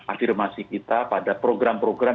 afirmasi kita pada program program